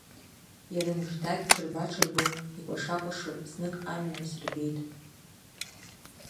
Иара мыждагь ҽырба-ҽырбо, икәашакәашо, знык амҩа насырбеит.